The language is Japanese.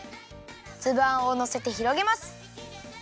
つぶあんをのせてひろげます。